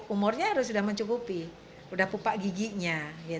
umurnya harus sudah mencukupi sudah pupak giginya